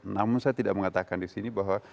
namun saya tidak mengatakan disini bahwa